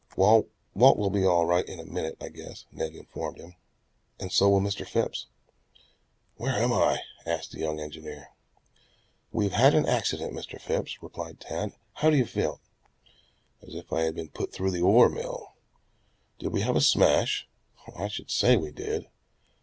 "Walt will be all right in a minute, I guess," Ned informed him. "And so will Mr. Phipps." "Where am I?" asked the young engineer. "We've had an accident, Mr. Phipps," replied Tad. "How do you feel?" "As if I had been put through the ore mill. Did we have a smash?" "I should say we did?"